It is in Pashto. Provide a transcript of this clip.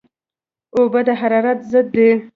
اوبه د حرارت ضد دي